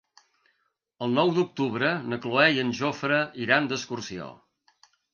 El nou d'octubre na Cloè i en Jofre iran d'excursió.